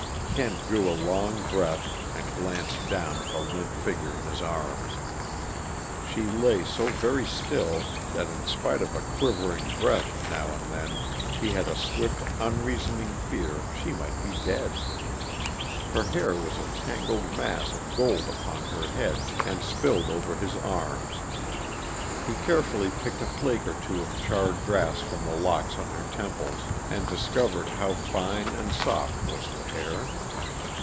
Kent drew a long breath and glanced down at the limp figure in his arms. She lay so very still that in spite of a quivering breath now and then he had a swift, unreasoning fear she might be dead. Her hair was a tangled mass of gold upon her head, and spilled over his arm. He carefully picked a flake or two of charred grass from the locks on her temples, and discovered how fine and soft was the hair.